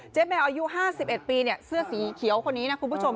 แมวอายุ๕๑ปีเสื้อสีเขียวคนนี้นะคุณผู้ชม